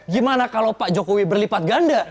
gimana kalau pak jokowi berlipat ganda